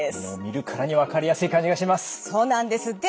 もう見るからに分かりやすい感じがします。